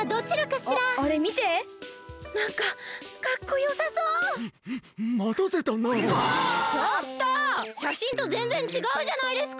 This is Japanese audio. しゃしんとぜんぜんちがうじゃないですか！